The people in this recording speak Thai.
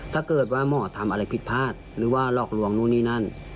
ถ้าเกิดว่าหมอทำอะไรผิดพลาดหรือว่าหลอกลวงนู่นนี่นั่น